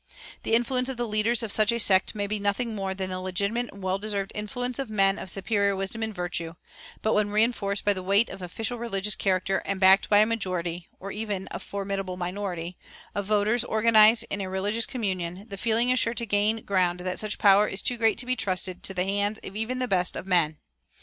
The influence of the leaders of such a sect may be nothing more than the legitimate and well deserved influence of men of superior wisdom and virtue; but when reinforced by the weight of official religious character, and backed by a majority, or even a formidable minority, of voters organized in a religious communion, the feeling is sure to gain ground that such power is too great to be trusted to the hands even of the best of men.